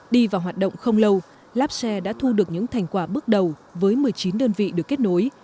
đi vào hoạt động không lâu napse đã thu được những thành quả bước đầu với một mươi chín đơn vị được kết nối